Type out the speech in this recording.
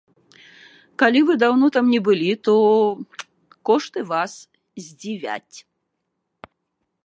Калі вы даўно там не былі, то кошты вас здзівяць.